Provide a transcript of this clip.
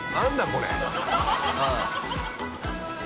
これ。